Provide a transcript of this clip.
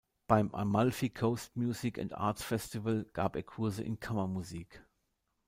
Beim Amalfi Coast Music and Arts Festival gab er Kurse in Kammermusik.